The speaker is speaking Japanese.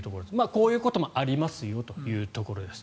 こういうこともありますよというところ。